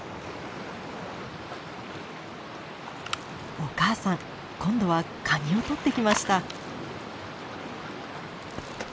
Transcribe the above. お母さん今度はカニをとってきました。